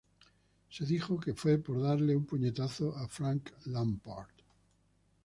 Se dijo que fue por darle un puñetazo a Frank Lampard.